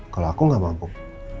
kalau aku gak mabuk